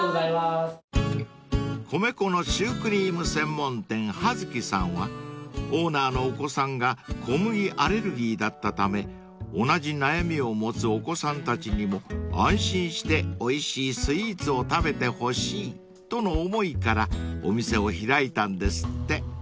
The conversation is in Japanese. ［米粉のシュークリーム専門店はづきさんはオーナーのお子さんが小麦アレルギーだったため同じ悩みを持つお子さんたちにも安心しておいしいスイーツを食べてほしいとの思いからお店を開いたんですって］